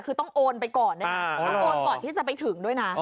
คือต้องโอนไปก่อนด้วยนะต้องโอนก่อนที่จะไปถึงด้วยนะ